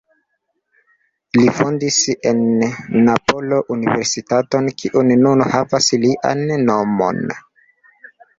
Li fondis en Napolo universitaton kiu nun havas lian nomon.